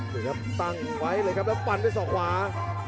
นี่ครับตั้งไว้เลยครับแล้วฟันด้วยศอกขวา